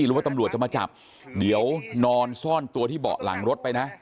หรือว่าตำรวจจะมาจับเดี๋ยวนอนซ่อนตัวที่เบาะหลังรถไปนะ